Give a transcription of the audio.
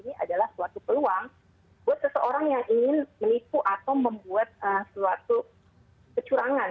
ini adalah suatu peluang buat seseorang yang ingin menipu atau membuat suatu kecurangan